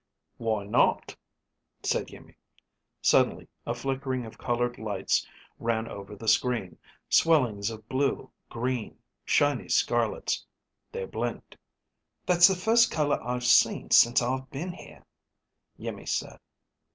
"Why not?" said Iimmi. Suddenly a flickering of colored lights ran over the screen, swellings of blue, green, shiny scarlets. They blinked. "That's the first color I've seen since I've been here," Iimmi said.